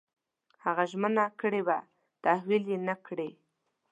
هغه ژمنه کړې وه تحویل یې نه کړې.